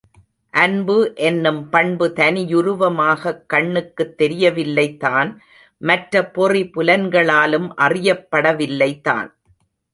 அன்பு என்னும் பண்பு தனியுருவமாகக் கண்ணுக்குத் தெரியவில்லைதான் மற்ற பொறி புலன்களாலும் அறியப்படவில்லைதான்.